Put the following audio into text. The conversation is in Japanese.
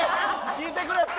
聞いてくれって！